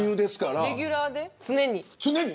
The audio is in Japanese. レギュラーで、常に。